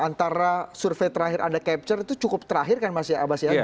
antara survei terakhir anda capture itu cukup terakhir kan mas abasya